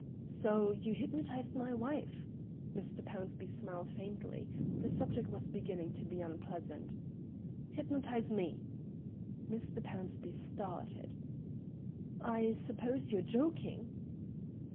"So you hypnotised my wife?" Mr. Pownceby smiled faintly; the subject was beginning to be unpleasant. "Hypnotise me." Mr. Pownceby started. "I suppose you're joking?"